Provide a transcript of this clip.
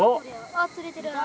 あっ釣れてる。